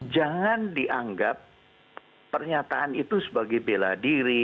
jangan dianggap pernyataan itu sebagai bela diri